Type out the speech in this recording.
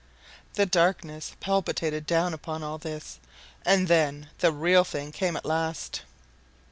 The darkness palpitated down upon all this, and then the real thing came at last.